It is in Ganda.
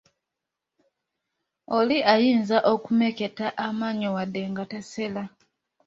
Oli ayinza okumeketa amannyo wadde nga tasera.